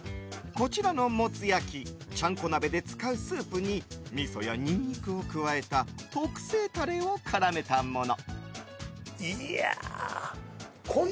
こちらのもつ焼きちゃんこ鍋で使うスープにみそや、ニンニクを加えた特製タレを絡めたもの。